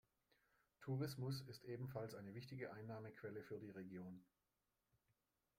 Tourismus ist ebenfalls eine wichtige Einnahmequelle für die Region.